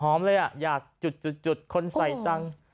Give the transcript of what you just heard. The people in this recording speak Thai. เลยอ่ะอยากจุดคนใส่จัง